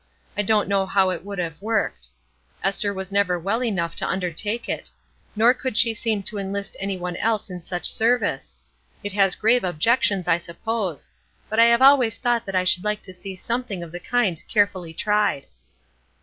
I don't know how it would have worked. Ester was never well enough to undertake it; nor could she seem to enlist any one else in such service. It has grave objections, I suppose; but I have always thought that I should like to see something of the kind carefully tried."